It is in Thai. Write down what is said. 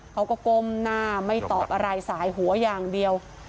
ก้มหน้าไม่ตอบอะไรสายหัวอย่างเดียว